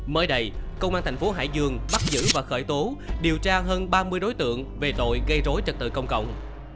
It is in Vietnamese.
mới đây công an thành phố hải dương bắt giữ và khởi tố điều tra hơn ba mươi đối tượng về tội gây rối trật tự công cộng